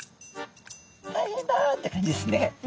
「大変だ」って感じですね。